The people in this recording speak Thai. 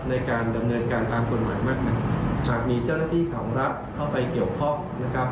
ในการดำเนินการตามกฎหมายมากมายหากมีเจ้าหน้าที่ของรัฐเข้าไปเกี่ยวข้องนะครับ